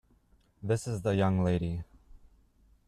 This is the young lady.